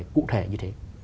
cụ thể như thế